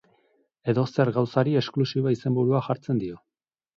Edozer gauzari esklusiba izenburua jartzen dio.